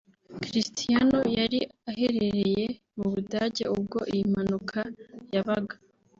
Cristiano yari aherereye mu Budage ubwo iyi mpanuka yabaga